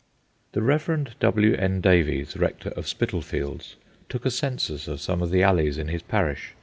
The Rev. W. N. Davies, rector of Spitalfields, took a census of some of the alleys in his parish.